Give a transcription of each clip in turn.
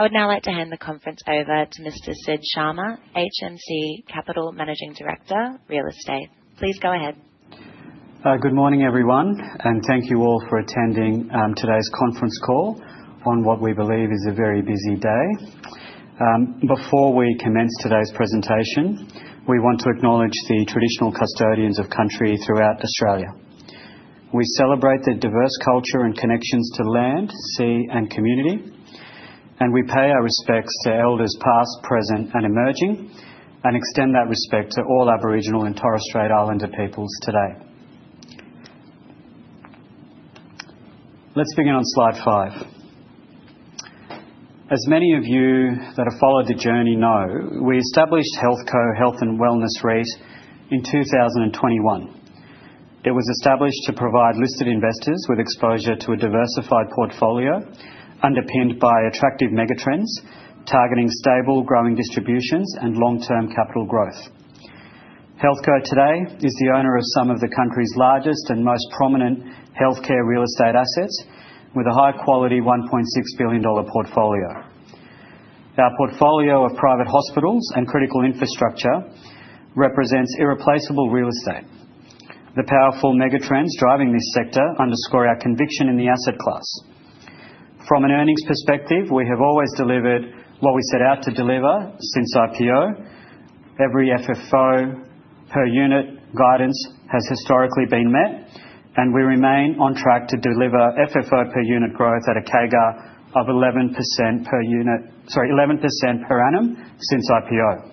I would now like to hand the conference over to Mr. Sid Sharma, HMC Capital Managing Director, Real Estate. Please go ahead. Good morning, everyone, and thank you all for attending today's conference call on what we believe is a very busy day. Before we commence today's presentation, we want to acknowledge the traditional custodians of country throughout Australia. We celebrate the diverse culture and connections to land, sea, and community, and we pay our respects to elders past, present, and emerging, and extend that respect to all Aboriginal and Torres Strait Islander peoples today. Let's begin on slide five. As many of you that have followed the journey know, we established HealthCo Healthcare and Wellness REIT in 2021. It was established to provide listed investors with exposure to a diversified portfolio underpinned by attractive megatrends targeting stable, growing distributions and long-term capital growth. HealthCo today is the owner of some of the country's largest and most prominent healthcare real estate assets with a high-quality 1.6 billion dollar portfolio. Our portfolio of private hospitals and critical infrastructure represents irreplaceable real estate. The powerful megatrends driving this sector underscore our conviction in the asset class. From an earnings perspective, we have always delivered what we set out to deliver since IPO. Every FFO per unit guidance has historically been met, and we remain on track to deliver FFO per unit growth at a CAGR of 11% per unit—sorry, 11% per annum since IPO.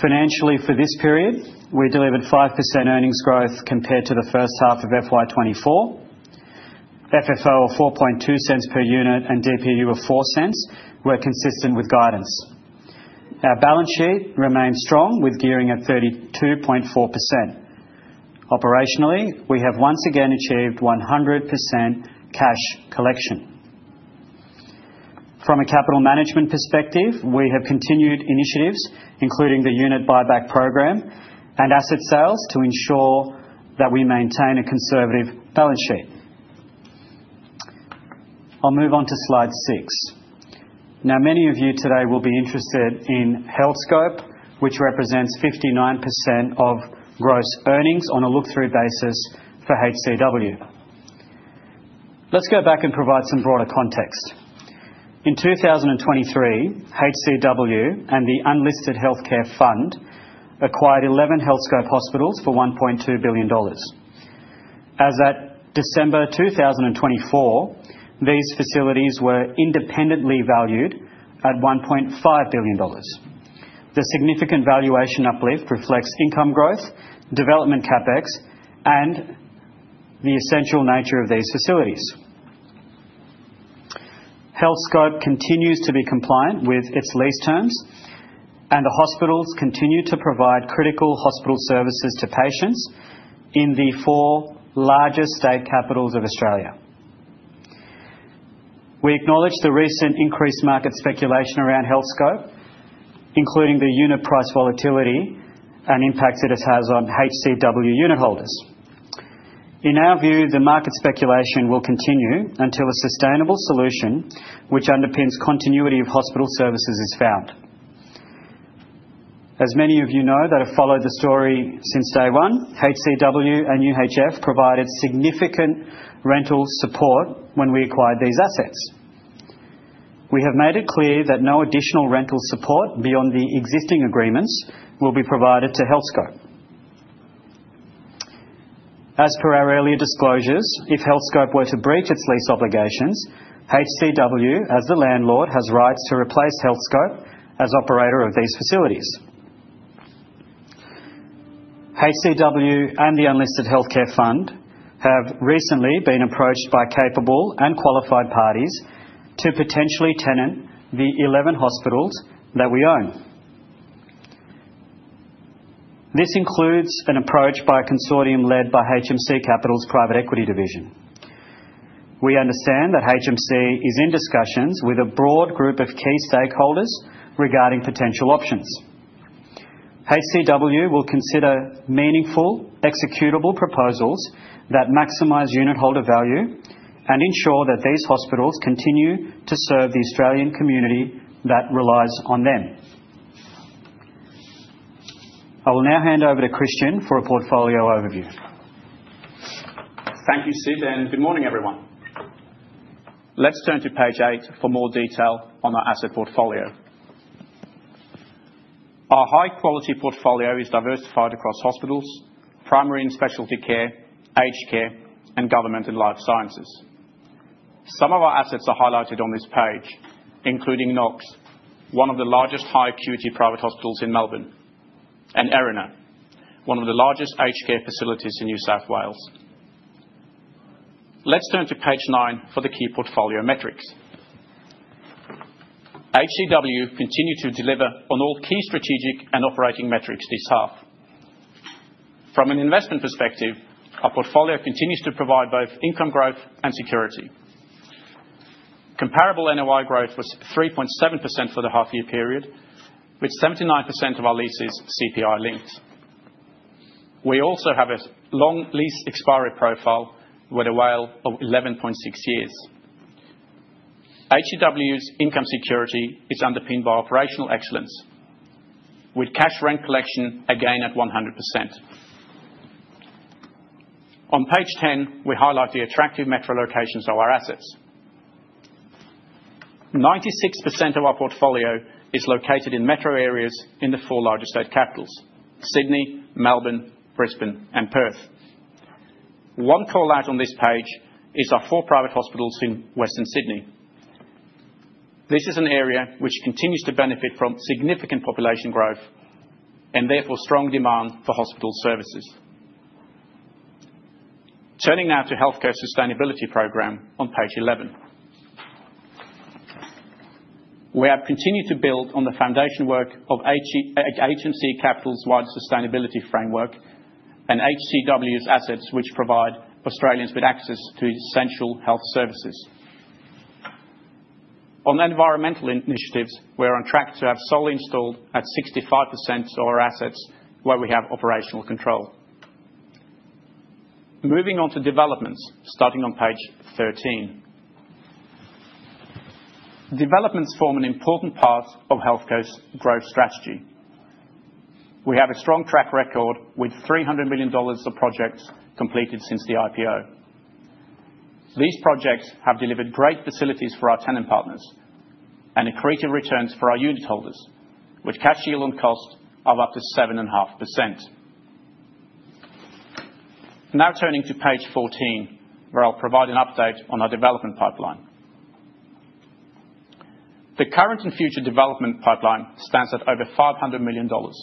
Financially, for this period, we delivered 5% earnings growth compared to the first half of FY2024. FFO of AUD 0.042 per unit and DPU of AUD 0.04 were consistent with guidance. Our balance sheet remained strong with gearing at 32.4%. Operationally, we have once again achieved 100% cash collection. From a capital management perspective, we have continued initiatives including the unit buyback program and asset sales to ensure that we maintain a conservative balance sheet. I'll move on to slide six. Now, many of you today will be interested in Healthscope, which represents 59% of gross earnings on a look-through basis for HCW. Let's go back and provide some broader context. In 2023, HCW and the Unlisted Healthcare Fund acquired 11 Healthscope hospitals for 1.2 billion dollars. As of December 2024, these facilities were independently valued at 1.5 billion dollars. The significant valuation uplift reflects income growth, development CapEx, and the essential nature of these facilities. Healthscope continues to be compliant with its lease terms, and the hospitals continue to provide critical hospital services to patients in the four largest state capitals of Australia. We acknowledge the recent increased market speculation around Healthscope, including the unit price volatility and impacts it has had on HCW unit holders. In our view, the market speculation will continue until a sustainable solution which underpins continuity of hospital services is found. As many of you know that have followed the story since day one, HCW and UHF provided significant rental support when we acquired these assets. We have made it clear that no additional rental support beyond the existing agreements will be provided to Healthscope. As per our earlier disclosures, if Healthscope were to breach its lease obligations, HCW, as the landlord, has rights to replace Healthscope as operator of these facilities. HCW and the Unlisted Healthcare Fund have recently been approached by capable and qualified parties to potentially tenant the 11 hospitals that we own. This includes an approach by a consortium led by HMC Capital's Private Equity Division. We understand that HMC is in discussions with a broad group of key stakeholders regarding potential options. HCW will consider meaningful, executable proposals that maximize unit holder value and ensure that these hospitals continue to serve the Australian community that relies on them. I will now hand over to Christian for a portfolio overview. Thank you, Sid, and good morning, everyone. Let's turn to page eight for more detail on our asset portfolio. Our high-quality portfolio is diversified across hospitals, primary and specialty care, aged care, and government and life sciences. Some of our assets are highlighted on this page, including Knox, one of the largest high-acuity private hospitals in Melbourne, and Erina, one of the largest aged care facilities in New South Wales. Let's turn to page nine for the key portfolio metrics. HCW continued to deliver on all key strategic and operating metrics this half. From an investment perspective, our portfolio continues to provide both income growth and security. Comparable NOI growth was 3.7% for the half-year period, with 79% of our leases CPI-linked. We also have a long lease expiry profile with a WAL of 11.6 years. HCW's income security is underpinned by operational excellence, with cash rent collection again at 100%. On page 10, we highlight the attractive metro locations of our assets. 96% of our portfolio is located in metro areas in the four largest state capitals: Sydney, Melbourne, Brisbane, and Perth. One callout on this page is our four private hospitals in Western Sydney. This is an area which continues to benefit from significant population growth and therefore strong demand for hospital services. Turning now to the Healthcare Sustainability Program on page 11, we have continued to build on the foundation work of HMC Capital's Wider Sustainability Framework and HCW's assets, which provide Australians with access to essential health services. On environmental initiatives, we are on track to have solar installed at 65% of our assets where we have operational control. Moving on to developments, starting on page 13. Developments form an important part of HealthCo's growth strategy. We have a strong track record with 300 million dollars of projects completed since the IPO. These projects have delivered great facilities for our tenant partners and accretive returns for our unit holders, with cash yield on cost of up to 7.5%. Now turning to page 14, where I'll provide an update on our development pipeline. The current and future development pipeline stands at over 500 million dollars.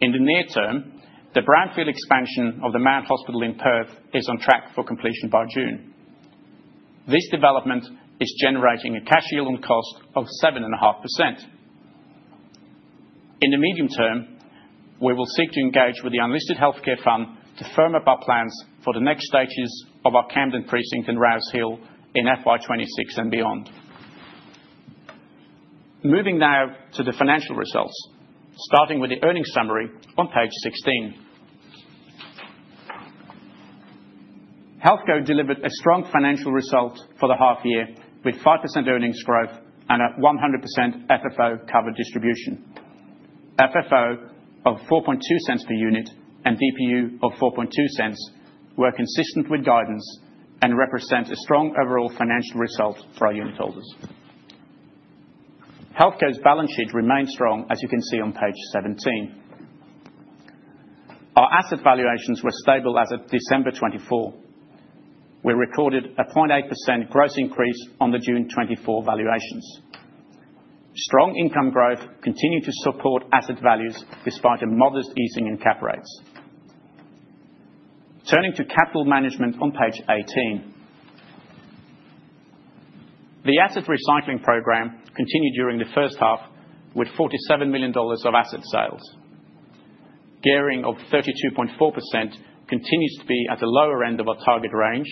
In the near term, the brownfield expansion of the Mount Hospital in Perth is on track for completion by June. This development is generating a cash yield on cost of 7.5%. In the medium term, we will seek to engage with the Unlisted Healthcare Fund to firm up our plans for the next stages of our Camden precinct and Rouse Hill in FY26 and beyond. Moving now to the financial results, starting with the earnings summary on page 16. HealthCo delivered a strong financial result for the half-year with 5% earnings growth and a 100% FFO covered distribution. FFO of 0.042 per unit and DPU of 0.042 were consistent with guidance and represent a strong overall financial result for our unit holders. HealthCo's balance sheet remained strong, as you can see on page 17. Our asset valuations were stable as of December 2024. We recorded a 0.8% gross increase on the June 2024 valuations. Strong income growth continued to support asset values despite a modest easing in cap rates. Turning to capital management on page 18, the asset recycling program continued during the first half with 47 million dollars of asset sales. Gearing of 32.4% continues to be at the lower end of our target range,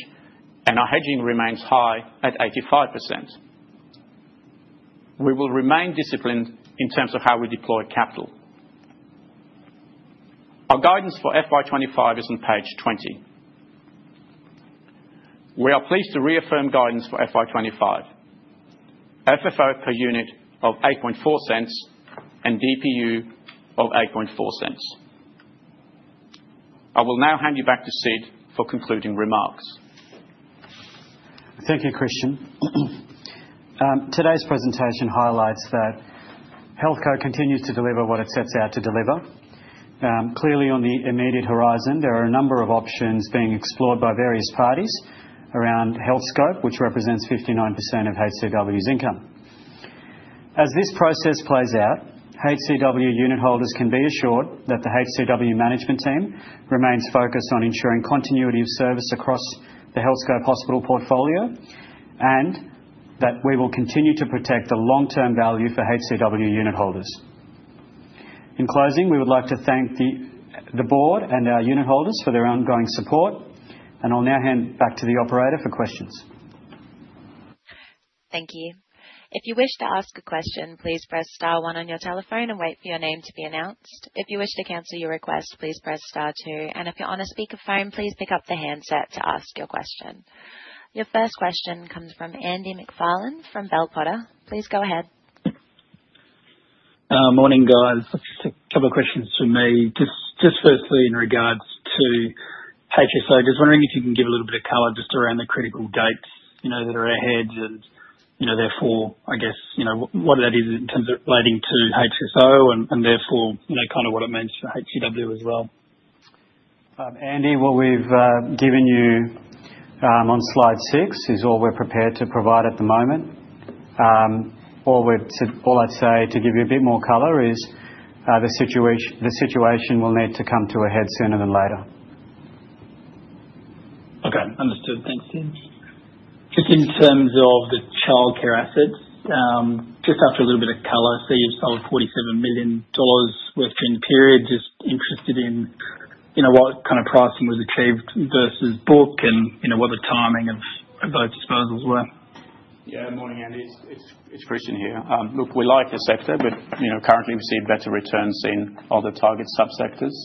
and our hedging remains high at 85%. We will remain disciplined in terms of how we deploy capital. Our guidance for fiscal year 2025 is on page 20. We are pleased to reaffirm guidance for fiscal year 2025: FFO per unit of 0.084 and DPU of 0.084. I will now hand you back to Sid for concluding remarks. Thank you, Christian. Today's presentation highlights that HealthCo continues to deliver what it sets out to deliver. Clearly, on the immediate horizon, there are a number of options being explored by various parties around Healthscope, which represents 59% of HCW's income. As this process plays out, HCW unit holders can be assured that the HCW management team remains focused on ensuring continuity of service across the Healthscope hospital portfolio and that we will continue to protect the long-term value for HCW unit holders. In closing, we would like to thank the board and our unit holders for their ongoing support, and I'll now hand back to the operator for questions. Thank you. If you wish to ask a question, please press star one on your telephone and wait for your name to be announced. If you wish to cancel your request, please press star two. If you're on a speakerphone, please pick up the handset to ask your question. Your first question comes from Andy MacFarlane from Bell Potter. Please go ahead. Morning, guys. A couple of questions for me. Just firstly, in regards to HSO, just wondering if you can give a little bit of color just around the critical dates that are ahead and therefore, I guess, what that is in terms of relating to HSO and therefore kind of what it means for HCW as well. Andy, what we've given you on slide six is all we're prepared to provide at the moment. All I'd say to give you a bit more color is the situation will need to come to a head sooner than later. Okay, understood. Thanks, Sid. Just in terms of the childcare assets, just after a little bit of color, I see you've sold AUD 47 million worth during the period. Just interested in what kind of pricing was achieved versus book and what the timing of those disposals were. Yeah, morning, Andy. It's Christian here. Look, we like the sector, but currently we've seen better returns in other target subsectors.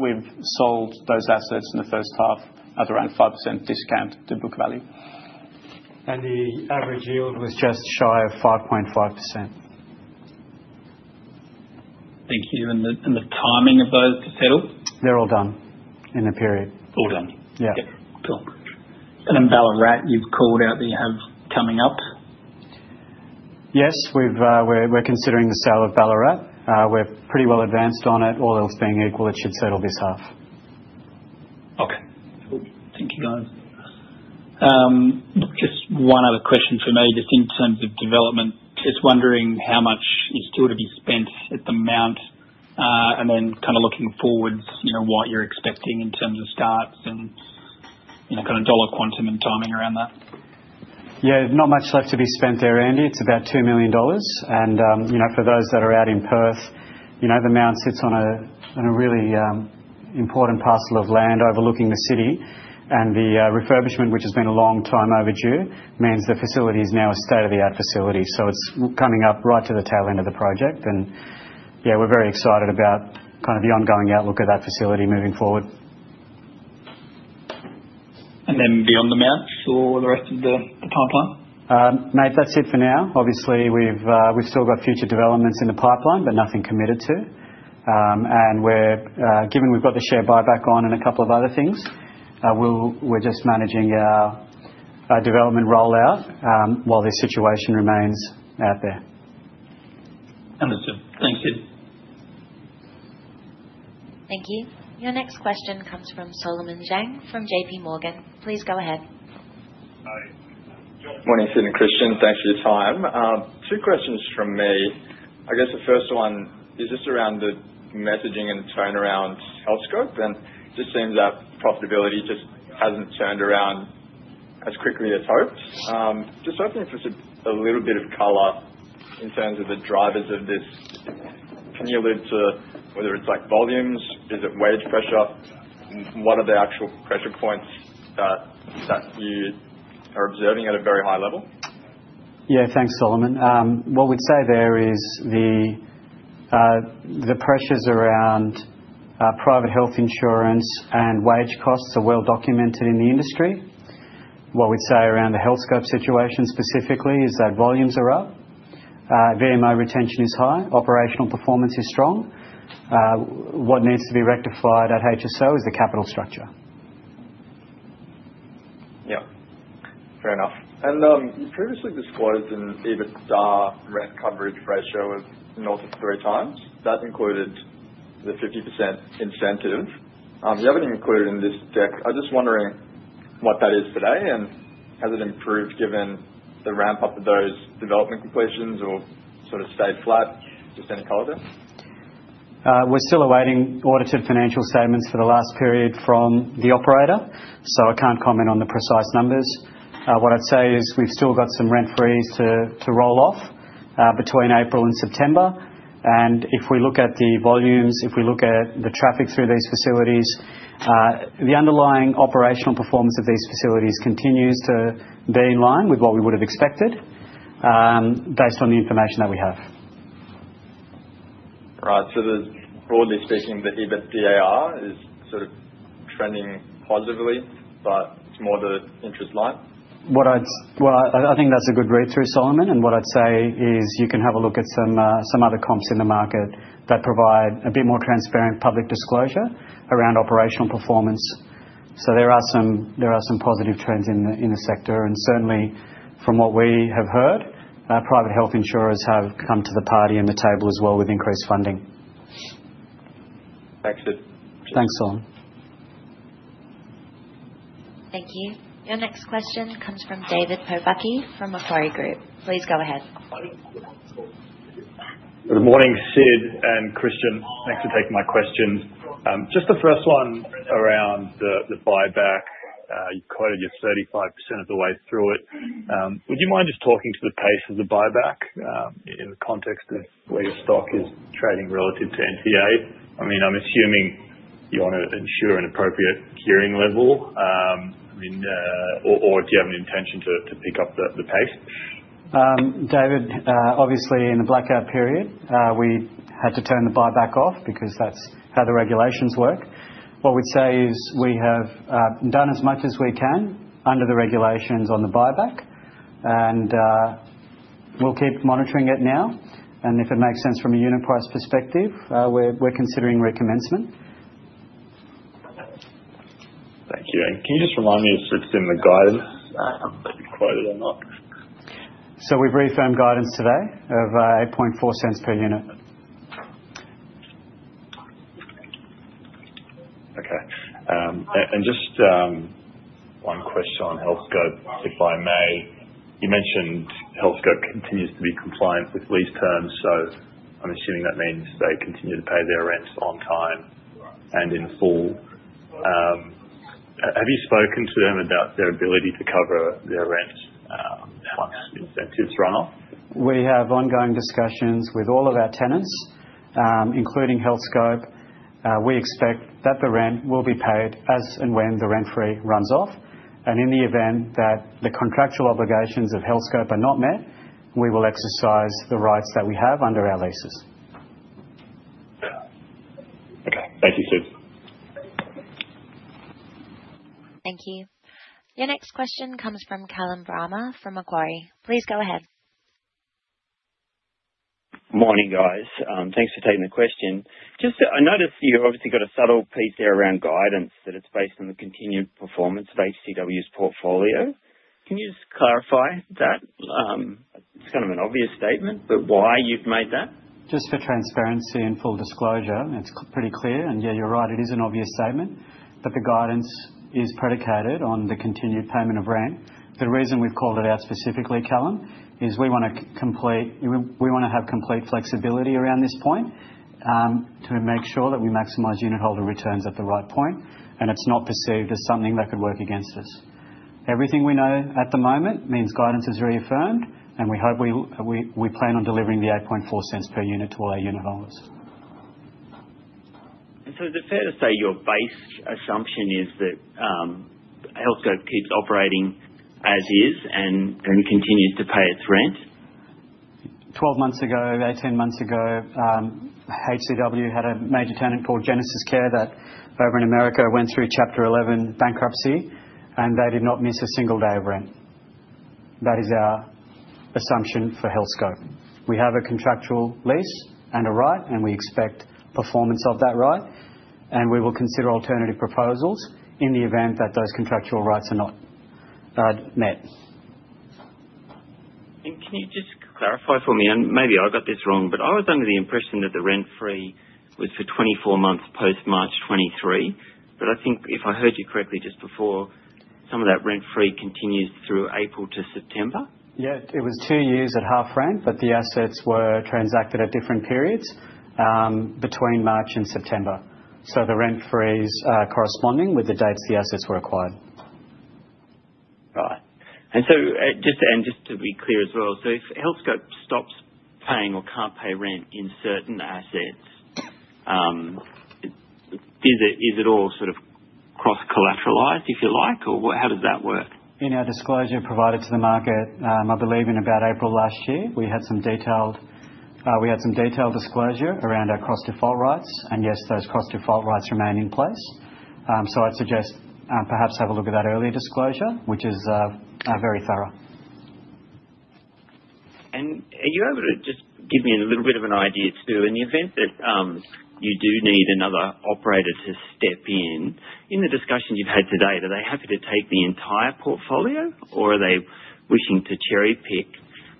We've sold those assets in the first half at around 5% discount to book value. The average yield was just shy of 5.5%. Thank you. The timing of those to settle? They're all done in the period. All done. Yeah. Cool. Ballarat, you've called out that you have coming up. Yes, we're considering the sale of Ballarat. We're pretty well advanced on it. All else being equal, it should settle this half. Okay. Cool. Thank you, guys. Just one other question for me, just in terms of development. Just wondering how much is still to be spent at the Mount and then kind of looking forwards what you're expecting in terms of starts and kind of dollar quantum and timing around that. Yeah, there's not much left to be spent there, Andy. It's about 2 million dollars. For those that are out in Perth, the Mount sits on a really important parcel of land overlooking the city. The refurbishment, which has been a long time overdue, means the facility is now a state-of-the-art facility. It's coming up right to the tail end of the project. Yeah, we're very excited about kind of the ongoing outlook of that facility moving forward. Beyond the Mount for the rest of the pipeline? Mate, that's it for now. Obviously, we've still got future developments in the pipeline, but nothing committed to. Given we've got the share buyback on and a couple of other things, we're just managing our development rollout while this situation remains out there. Understood. Thanks, Sid. Thank you. Your next question comes from Solomon Zhang from JP Morgan. Please go ahead. Morning, Sid and Christian. Thanks for your time. Two questions from me. I guess the first one is just around the messaging and turnaround of Healthscope. It just seems that profitability just hasn't turned around as quickly as hoped. Just hoping for a little bit of color in terms of the drivers of this. Can you allude to whether it's volumes? Is it wage pressure? What are the actual pressure points that you are observing at a very high level? Yeah, thanks, Solomon. What we'd say there is the pressures around private health insurance and wage costs are well documented in the industry. What we'd say around the Healthscope situation specifically is that volumes are up, VMO retention is high, operational performance is strong. What needs to be rectified at HSO is the capital structure. Yeah, fair enough. You previously disclosed an EBITDA rent coverage ratio of north of three times. That included the 50% incentive. You have not included in this deck. I am just wondering what that is today and has it improved given the ramp-up of those development completions or sort of stayed flat just any color? We're still awaiting audited financial statements for the last period from the operator, so I can't comment on the precise numbers. What I'd say is we've still got some rent freeze to roll off between April and September. If we look at the volumes, if we look at the traffic through these facilities, the underlying operational performance of these facilities continues to be in line with what we would have expected based on the information that we have. Right. So broadly speaking, the EBITDA is sort of trending positively, but it's more the interest line. I think that's a good read-through, Solomon. What I'd say is you can have a look at some other comps in the market that provide a bit more transparent public disclosure around operational performance. There are some positive trends in the sector. Certainly, from what we have heard, private health insurers have come to the party and the table as well with increased funding. Thanks, Sid. Thanks, Solomon. Thank you. Your next question comes from David Pobucky from Macquarie Group. Please go ahead. Good morning, Sid and Christian. Thanks for taking my questions. Just the first one around the buyback. You've quoted you're 35% of the way through it. Would you mind just talking to the pace of the buyback in the context of where your stock is trading relative to NTA? I mean, I'm assuming you want to ensure an appropriate gearing level, or do you have an intention to pick up the pace? David, obviously, in the blackout period, we had to turn the buyback off because that is how the regulations work. What we would say is we have done as much as we can under the regulations on the buyback, and we will keep monitoring it now. If it makes sense from a unit price perspective, we are considering recommencement. Thank you. Can you just remind me if it's in the guidance that you quoted or not? We have reaffirmed guidance today of 0.084 per unit. Okay. Just one question on HealthCo, if I may. You mentioned HealthCo continues to be compliant with lease terms, so I'm assuming that means they continue to pay their rents on time and in full. Have you spoken to them about their ability to cover their rents once incentives run off? We have ongoing discussions with all of our tenants, including Healthscope. We expect that the rent will be paid as and when the rent free runs off. In the event that the contractual obligations of Healthscope are not met, we will exercise the rights that we have under our leases. Okay. Thank you, Sid. Thank you. Your next question comes from Callum Bramah from Macquarie. Please go ahead. Morning, guys. Thanks for taking the question. I noticed you obviously got a subtle piece there around guidance that it's based on the continued performance of HCW's portfolio. Can you just clarify that? It's kind of an obvious statement, but why you've made that? Just for transparency and full disclosure, it's pretty clear. Yeah, you're right. It is an obvious statement, but the guidance is predicated on the continued payment of rent. The reason we've called it out specifically, Callum, is we want to have complete flexibility around this point to make sure that we maximize unit holder returns at the right point, and it's not perceived as something that could work against us. Everything we know at the moment means guidance is reaffirmed, and we hope we plan on delivering the 0.084 per unit to all our unit holders. Is it fair to say your base assumption is that Healthscope keeps operating as is and continues to pay its rent? Twelve months ago, eighteen months ago, HCW had a major tenant called GenesisCare that over in America went through Chapter 11 bankruptcy, and they did not miss a single day of rent. That is our assumption for Healthscope. We have a contractual lease and a right, and we expect performance of that right. We will consider alternative proposals in the event that those contractual rights are not met. Can you just clarify for me? Maybe I got this wrong, but I was under the impression that the rent free was for 24 months post-March 2023. I think if I heard you correctly just before, some of that rent free continues through April to September? Yeah, it was two years at half rent, but the assets were transacted at different periods between March and September. The rent free is corresponding with the dates the assets were acquired. Right. Just to be clear as well, if Healthscope stops paying or cannot pay rent in certain assets, is it all sort of cross-collateralized, if you like, or how does that work? In our disclosure provided to the market, I believe in about April last year, we had some detailed disclosure around our cross-default rights. Yes, those cross-default rights remain in place. I'd suggest perhaps have a look at that early disclosure, which is very thorough. Are you able to just give me a little bit of an idea too, in the event that you do need another operator to step in? In the discussion you've had today, are they happy to take the entire portfolio, or are they wishing to cherry-pick?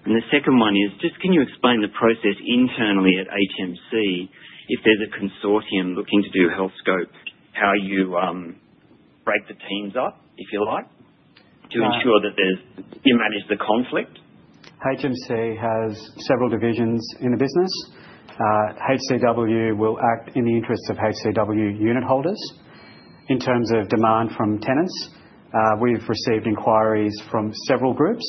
The second one is just can you explain the process internally at HMC? If there's a consortium looking to do Healthscope, how you break the teams up, if you like, to ensure that you manage the conflict? HMC has several divisions in the business. HCW will act in the interests of HCW unit holders in terms of demand from tenants. We have received inquiries from several groups.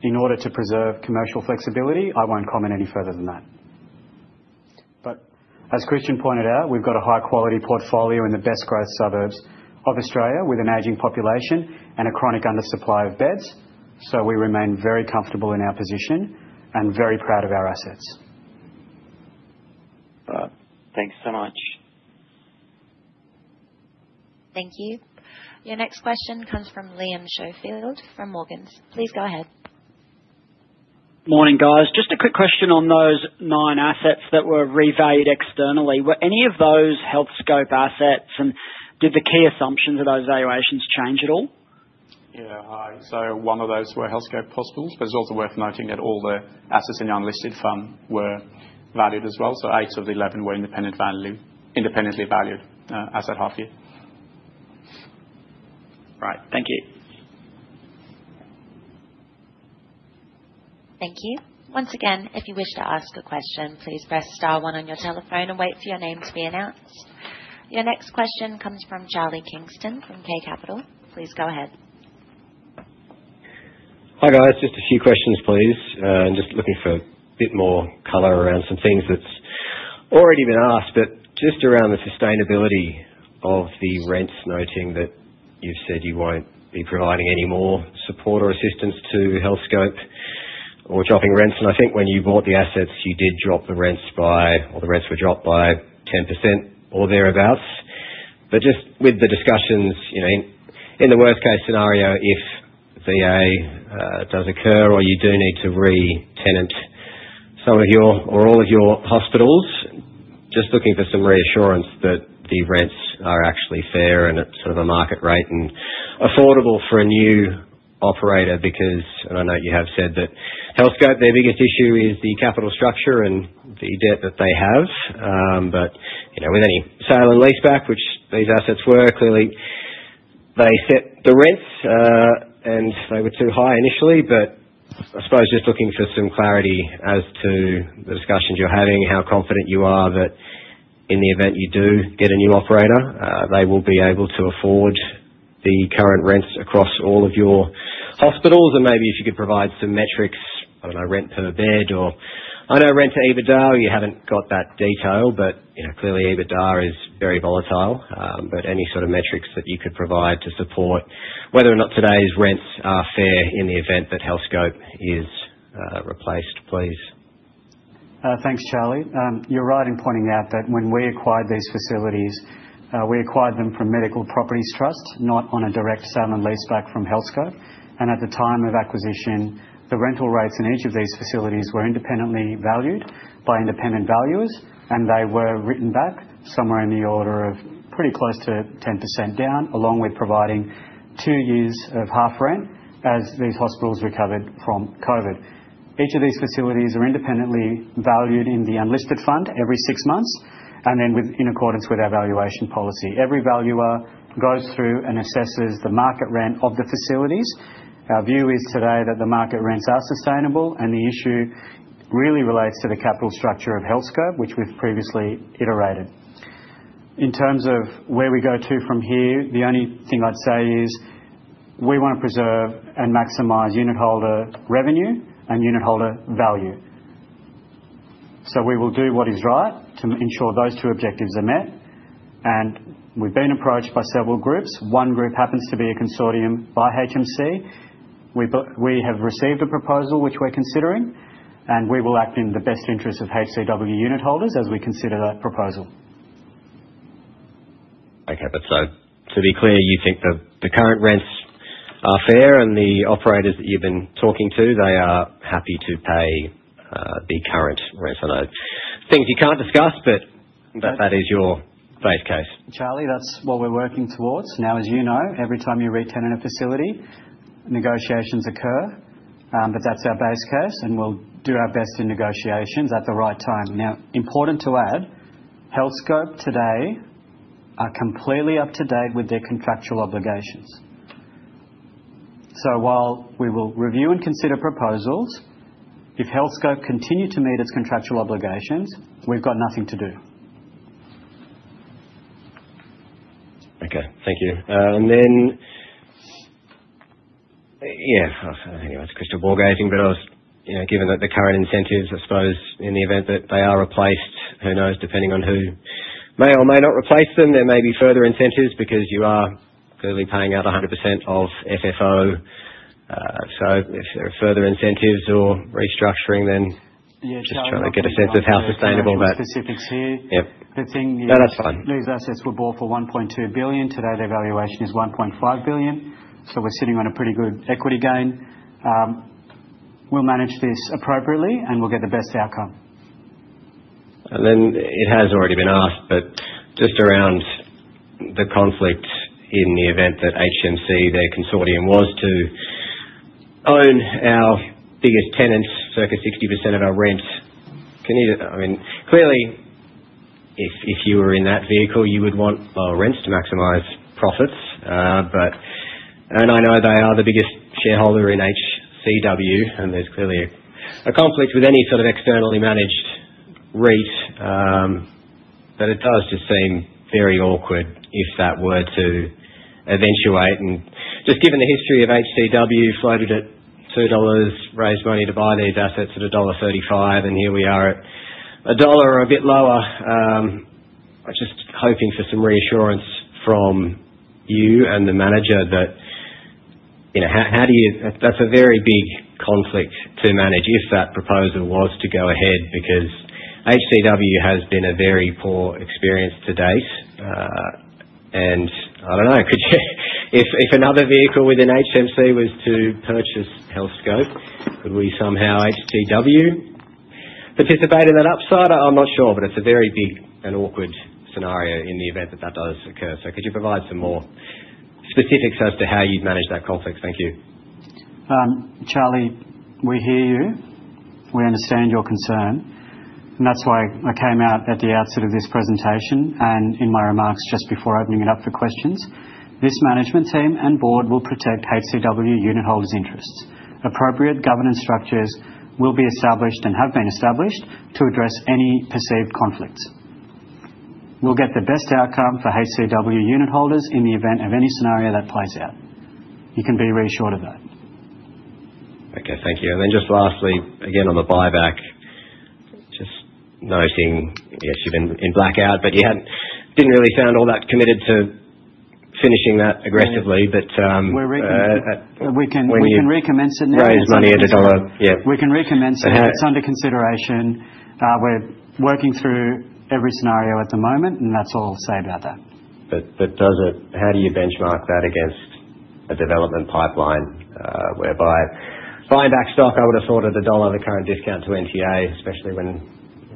In order to preserve commercial flexibility, I will not comment any further than that. As Christian pointed out, we have a high-quality portfolio in the best-growth suburbs of Australia with an aging population and a chronic undersupply of beds. We remain very comfortable in our position and very proud of our assets. Right. Thanks so much. Thank you. Your next question comes from Liam Schofield from Morgans. Please go ahead. Morning, guys. Just a quick question on those nine assets that were revalued externally. Were any of those Healthscope assets? Did the key assumptions of those valuations change at all? Yeah. One of those were Healthscope hospitals. It is also worth noting that all the assets in the unlisted fund were valued as well. Eight of the eleven were independently valued as at half year. Right. Thank you. Thank you. Once again, if you wish to ask a question, please press star one on your telephone and wait for your name to be announced. Your next question comes from Charlie Kingston from K Capital. Please go ahead. Hi, guys. Just a few questions, please. I'm just looking for a bit more color around some things that's already been asked, but just around the sustainability of the rents, noting that you've said you won't be providing any more support or assistance to Healthscope or dropping rents. I think when you bought the assets, you did drop the rents by, or the rents were dropped by 10% or thereabouts. Just with the discussions, in the worst-case scenario, if VA does occur or you do need to re-tenant some of your or all of your hospitals, just looking for some reassurance that the rents are actually fair and at sort of a market rate and affordable for a new operator because, and I know you have said that Healthscope, their biggest issue is the capital structure and the debt that they have. With any sale and lease back, which these assets were, clearly they set the rents and they were too high initially. I suppose just looking for some clarity as to the discussions you're having, how confident you are that in the event you do get a new operator, they will be able to afford the current rents across all of your hospitals. Maybe if you could provide some metrics, I don't know, rent per bed or I know rent to EBITDA, or you haven't got that detail, but clearly EBITDA is very volatile. Any sort of metrics that you could provide to support whether or not today's rents are fair in the event that Healthscope is replaced, please. Thanks, Charlie. You're right in pointing out that when we acquired these facilities, we acquired them from Medical Properties Trust, not on a direct sale and lease back from Healthscope. At the time of acquisition, the rental rates in each of these facilities were independently valued by independent valuers, and they were written back somewhere in the order of pretty close to 10% down, along with providing two years of half rent as these hospitals recovered from COVID. Each of these facilities are independently valued in the unlisted fund every six months and then in accordance with our valuation policy. Every valuer goes through and assesses the market rent of the facilities. Our view is today that the market rents are sustainable, and the issue really relates to the capital structure of Healthscope, which we've previously iterated. In terms of where we go to from here, the only thing I'd say is we want to preserve and maximize unit holder revenue and unit holder value. We will do what is right to ensure those two objectives are met. We have been approached by several groups. One group happens to be a consortium by HMC. We have received a proposal which we're considering, and we will act in the best interest of HCW unit holders as we consider that proposal. Okay. To be clear, you think the current rents are fair, and the operators that you've been talking to, they are happy to pay the current rents. I know there are things you can't discuss, but that is your base case. Charlie, that's what we're working towards. Now, as you know, every time you retain a facility, negotiations occur. That's our base case, and we'll do our best in negotiations at the right time. Important to add, Healthscope today are completely up to date with their contractual obligations. While we will review and consider proposals, if Healthscope continue to meet its contractual obligations, we've got nothing to do. Okay. Thank you. I think that's Christian Soberg, but given that the current incentives, I suppose, in the event that they are replaced, who knows, depending on who may or may not replace them, there may be further incentives because you are clearly paying out 100% of FFO. If there are further incentives or restructuring, then just trying to get a sense of how sustainable that is. I'll just add some specifics here. Yep. The thing is. No, that's fine. These assets were bought for 1.2 billion. Today, their valuation is 1.5 billion. We are sitting on a pretty good equity gain. We will manage this appropriately, and we will get the best outcome. It has already been asked, but just around the conflict in the event that HMC, their consortium, was to own our biggest tenants, circa 60% of our rents, I mean, clearly, if you were in that vehicle, you would want our rents to maximize profits. I know they are the biggest shareholder in HCW, and there is clearly a conflict with any sort of externally managed REIT. It does just seem very awkward if that were to eventuate. Just given the history of HCW floated at 2 dollars, raised money to buy these assets at dollar 1.35, and here we are at AUD 1 or a bit lower. I am just hoping for some reassurance from you and the manager that how do you—that is a very big conflict to manage if that proposal was to go ahead because HCW has been a very poor experience to date. I don't know. If another vehicle within HMC was to purchase Healthscope, could we somehow HCW participate in that upside? I'm not sure, but it's a very big and awkward scenario in the event that that does occur. Could you provide some more specifics as to how you'd manage that conflict? Thank you. Charlie, we hear you. We understand your concern. That is why I came out at the outset of this presentation and in my remarks just before opening it up for questions. This management team and board will protect HCW unit holders' interests. Appropriate governance structures will be established and have been established to address any perceived conflicts. We will get the best outcome for HCW unit holders in the event of any scenario that plays out. You can be reassured of that. Okay. Thank you. Lastly, again, on the buyback, just noting, yes, you've been in blackout, but you did not really sound all that committed to finishing that aggressively. We can recommence it now. Raise money at $1. We can recommence it. It's under consideration. We're working through every scenario at the moment, and that's all to say about that. How do you benchmark that against a development pipeline whereby buying back stock, I would have thought at the current discount to NTA, especially when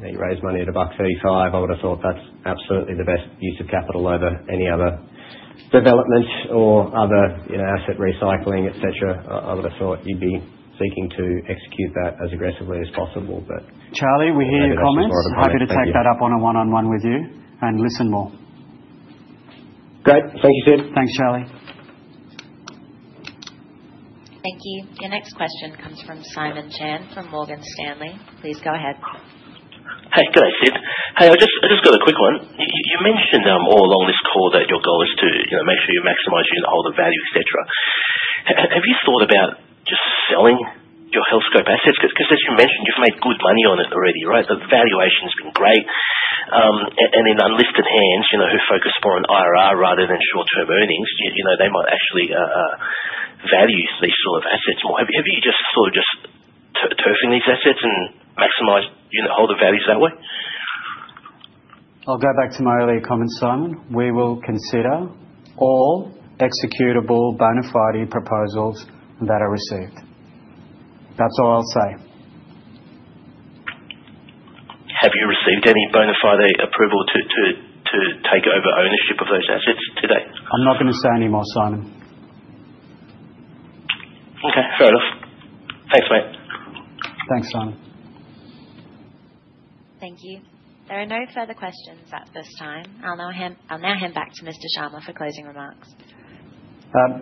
you raise money at 1.35, I would have thought that's absolutely the best use of capital over any other development or other asset recycling, etc. I would have thought you'd be seeking to execute that as aggressively as possible, but. Charlie, we hear your comments. Happy to take that up on a one-on-one with you and listen more. Great. Thank you, Sid. Thanks, Charlie. Thank you. Your next question comes from Simon Chan from Morgan Stanley. Please go ahead. Hey, good day, Sid. Hey, I just got a quick one. You mentioned all along this call that your goal is to make sure you maximize your holder value, etc. Have you thought about just selling your Healthscope assets? Because as you mentioned, you've made good money on it already, right? The valuation has been great. And in unlisted hands who focus more on IRR rather than short-term earnings, they might actually value these sort of assets more. Have you just sort of just turfing these assets and maximize holder values that way? I'll go back to my earlier comment, Simon. We will consider all executable bona fide proposals that are received. That's all I'll say. Have you received any bona fide approval to take over ownership of those assets today? I'm not going to say any more, Simon. Okay. Fair enough. Thanks, mate. Thanks, Simon. Thank you. There are no further questions at this time. I'll now hand back to Mr. Sharma for closing remarks.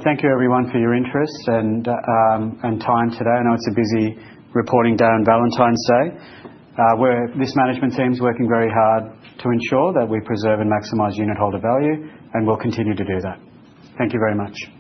Thank you, everyone, for your interest and time today. I know it's a busy reporting day on Valentine's Day. This management team is working very hard to ensure that we preserve and maximize unit holder value, and we'll continue to do that. Thank you very much.